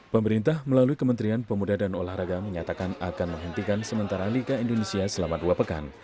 pemerintah melalui kementerian pemuda dan olahraga menyatakan akan menghentikan sementara liga indonesia selama dua pekan